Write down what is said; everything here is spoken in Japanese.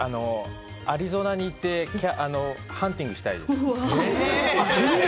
アリゾナに行って、ハンティングしたいです。